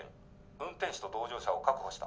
運転手と同乗者を確保した。